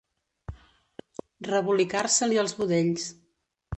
Rebolicar-se-li els budells.